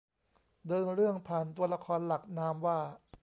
เดินเรื่องผ่านตัวละครหลักนามว่า